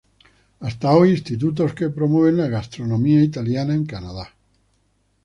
Hasta hay institutos que promueven la gastronomía italiana en Canadá.